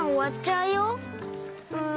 うん。